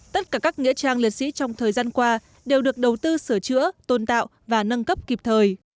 tất cả các nghĩa trang liệt sĩ trong thời gian qua đều được đầu tư sửa chữa tôn tạo và nâng cấp kịp thời